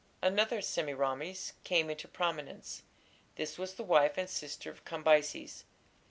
Another "Semiramis" came into prominence. This was the wife and sister of Cambyses.